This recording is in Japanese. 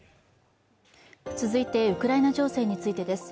続いてウクライナ情勢についてです。